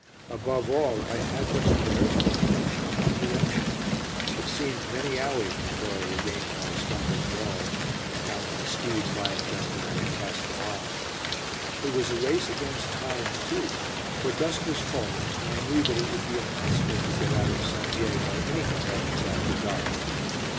Above all, I had but the barest recollection of my direction. It seemed many hours before I regained my stump of wall and found my skis lying just where I had cast them off. It was a race against time, too, for dusk was falling, and I knew that it would be impossible to get out of St. Dié by any conveyance after dark.